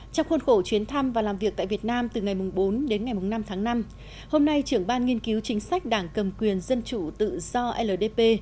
trong khuôn khổ chuyến thăm và làm việc tại việt nam từ ngày bốn đến ngày năm tháng năm hôm nay trưởng ban nghiên cứu chính sách đảng cầm quyền dân chủ tự do ldp